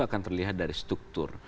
akan terlihat dari struktur